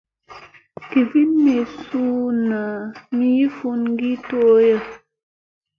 Givin mi sun mi yii funa ki tooya.